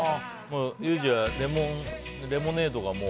ユージはレモネードがもう？